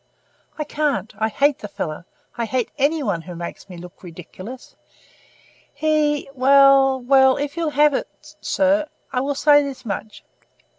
"I can't. I hate the fellow. I hate any one who makes me look ridiculous. He well, well, if you'll have it, sir, I will say this much.